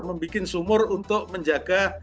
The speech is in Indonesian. membuat sumur untuk menjaga seluruh daerah